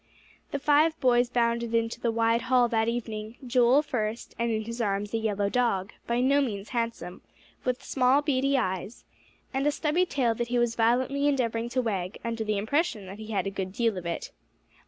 The five boys bounded into the wide hall that evening Joel first; and in his arms, a yellow dog, by no means handsome, with small, beady eyes, and a stubby tail that he was violently endeavoring to wag, under the impression that he had a good deal of it.